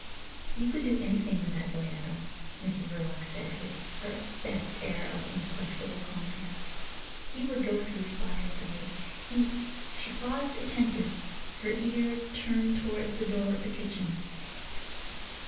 "You could do anything with that boy, Adolf," Mrs Verloc said, with her best air of inflexible calmness. "He would go through fire for you. He—" She paused attentive, her ear turned towards the door of the kitchen.